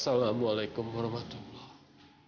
assalamualaikum warahmatullahi wabarakatuh